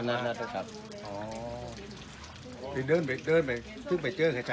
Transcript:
น้ำปลาบึกกับซ่าหมกปลาร่า